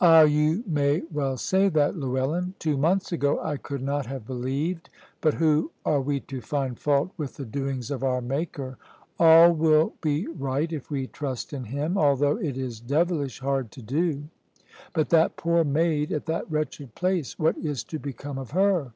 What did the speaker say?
"Ah, you may well say that, Llewellyn. Two months ago I could not have believed but who are we to find fault with the doings of our Maker? All will be right if we trust in Him, although it is devilish hard to do. But that poor maid at that wretched place what is to become of her?"